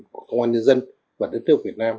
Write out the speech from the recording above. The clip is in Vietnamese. của công an nhân dân và đất nước việt nam